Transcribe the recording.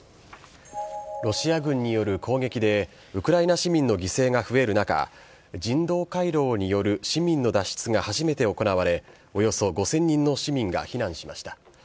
ロシア軍による攻撃で、ウクライナ市民の犠牲が増える中、人道回廊による市民の脱出が初めて行われ、およそ５０００人の市民が避難しました。